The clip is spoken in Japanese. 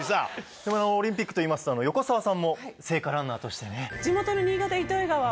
でもオリンピックといいますと横澤さんも聖火ランナーとしてね。